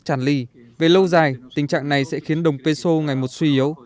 chẳng lì về lâu dài tình trạng này sẽ khiến đồng peso ngày một suy yếu